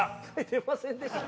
「出ませんでした」？